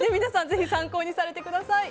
ぜひ参考にされてください。